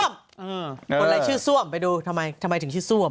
คนอะไรชื่อซ่วมไปดูทำไมทำไมถึงชื่อซ่วม